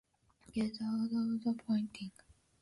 Get out of the fighting.